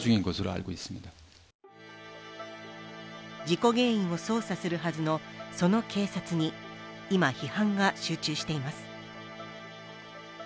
事故原因を調査するはずのその警察に今、批判が集中しています。